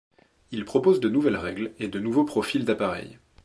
Il propose de nouvelles règles, et de nouveaux profils d'appareils.